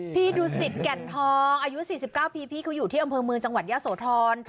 พี่ดูสิทธิ์แก่นทองอายุ๔๙พีเขาอยู่ที่อำเภอมือจังหวัดย่าโสธร